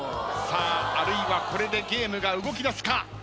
さああるいはこれでゲームが動きだすか？